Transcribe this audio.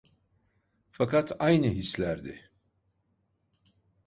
Fakat aynı hislerdi…